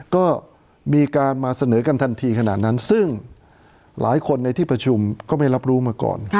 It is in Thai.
ก็มีการมาเสนอกันทันทีขนาดนั้นซึ่งหลายคนในที่ประชุมก็ไม่รับรู้มาก่อน